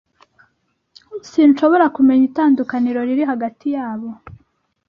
Sinshobora kumenya itandukaniro riri hagati yabo.